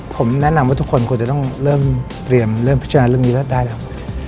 ผมแนะนำว่าทุกคนควรจะต้องเริ่มเตรียมเริ่มพิจารณาเรื่องนี้แล้วได้แล้ว